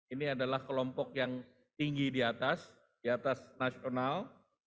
ini adalah kelompok yang tinggi di atas di atas nasional